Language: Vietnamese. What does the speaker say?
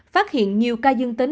phát hiện nhiều ca dương tính